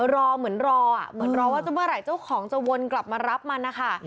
รอเหมือนรอเหมือนรอว่าจะเมื่อไหร่เจ้าของจะวนกลับมารับมันนะคะ